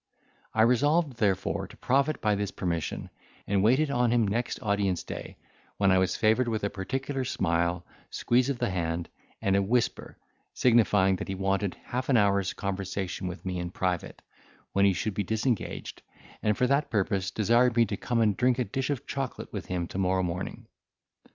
I resolved therefore to profit by this permission, and waited on him next audience day, when I was favoured with a particular smile, squeeze of the hand, and a whisper, signifying that he wanted half an hour's conversation with me in private, when he should be disengaged, and for that purpose desired me to come and drink a dish of chocolate with him to morrow morning.